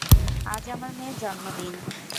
আজ আমার মেয়ের জন্মদিন।